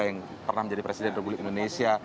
yang pernah menjadi presiden republik indonesia